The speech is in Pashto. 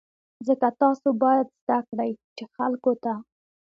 ځکه تاسو باید زده کړئ چې خلکو ته.